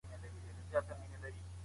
زموږ کور ښکلی دئ.